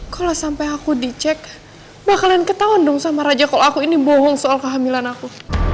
kalau sampai aku dicek mah kalian ketahuan dong sama raja kalau aku ini bohong soal kehamilan aku